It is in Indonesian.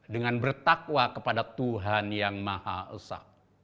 dengan bertakwa kepada tuhan yang maha esa